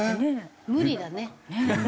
無理だね。